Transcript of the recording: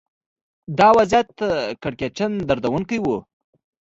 دا وضعیت کړکېچن دردونکی و